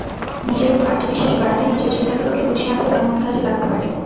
নিজের ওপর আত্মবিশ্বাস বাড়াতে নিজের চিন্তাগুলোকে গুছিয়ে আনতে ভ্রমণ কাজে লাগতে পারে।